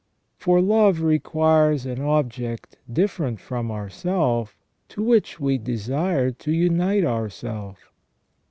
For love requires an object different from ourself to which we desire to unite ourself.